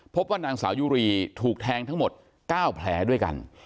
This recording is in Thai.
พบว่านางสาวยุรีถูกแทงทั้งหมด๙แผลด้วยกัน